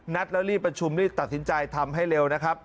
นัดแล้วรีบประชุมรีบตัดสินใจทำให้เร็วนะครับ